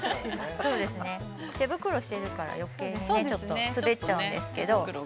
◆そうですね、手袋してるから余計に滑っちゃうんですけど。